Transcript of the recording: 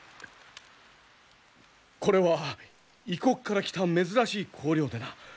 これは異国から来た珍しい香料でな。